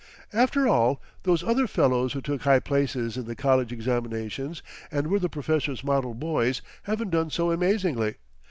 After all, those other fellows who took high places in the College examinations and were the professor's model boys haven't done so amazingly.